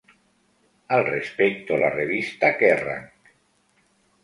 Al respecto, la revista "Kerrang!